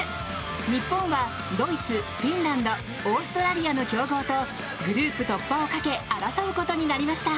日本は、ドイツ、フィンランドオーストラリアの強豪とグループ突破をかけ争うことになりました。